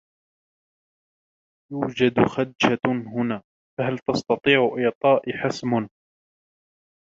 يوجد خدشة هنا ، فهل تستطيع اعطائي حسم ؟